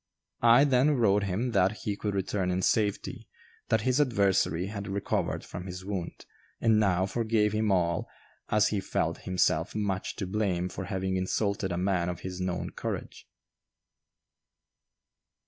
I then wrote him that "he could return in safety; that his adversary had recovered from his wound, and now forgave him all, as he felt himself much to blame for having insulted a man of his known courage."